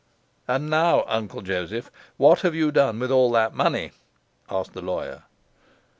'And now, Uncle Joseph, what have you done with all that money?' asked the lawyer.